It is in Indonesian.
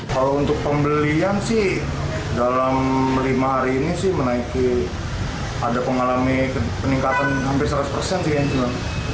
kalau untuk pembelian sih dalam lima hari ini sih menaiki ada pengalami peningkatan hampir seratus persen sih yang cuma